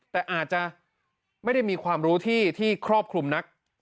แต่อาจจะไม่ได้มีความรู้ที่ครอบคลุมนัก